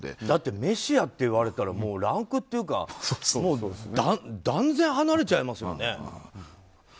だってメシアっていわれたらランクっていうか断然離れちゃいますよね。